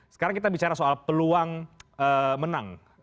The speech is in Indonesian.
sekarang kita bicara soal peluang menang